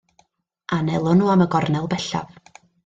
Anelon nhw am y gornel bellaf.